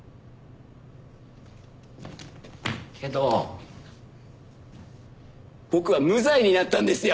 けど僕は無罪になったんですよ。